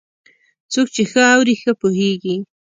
څوک چې ښه اوري، ښه پوهېږي.